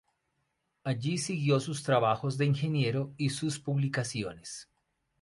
Allí siguió sus trabajos de ingeniero y sus publicaciones.